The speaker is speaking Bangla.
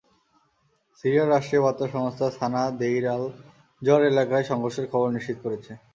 সিরিয়ার রাষ্ট্রীয় বার্তা সংস্থা সানা দেইর আল-জর এলাকায় সংঘর্ষের খবর নিশ্চিত করেছে।